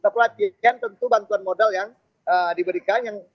pelatihan tentu bantuan modal yang diberikan